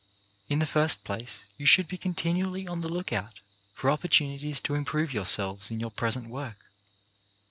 In the first place you should be continually on the lookout for opportunities to improve your selves in your present work.